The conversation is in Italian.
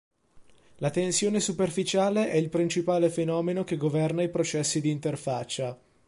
La tensione superficiale è il principale fenomeno che governa i processi di interfaccia.